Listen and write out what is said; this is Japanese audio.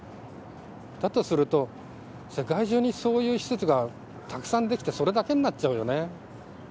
だとすると、世界中にそういう施設がたくさん出来てそれだけになっちゃうよね。